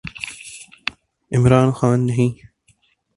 عمران خان نہیں۔